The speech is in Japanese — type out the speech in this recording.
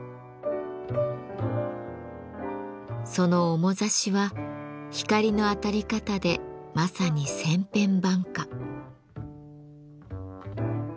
その面ざしは光の当たり方でまさに千変万化。